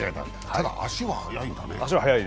ただ、足は速いんだね。